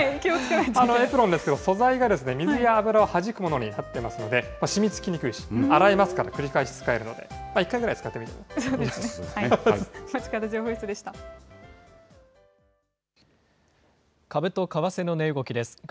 エプロンですけど、水や油をはじくものとなってますので、しみつきにくいし、洗えますから、繰り返し使えるので、１回ぐらい使ってみるのも。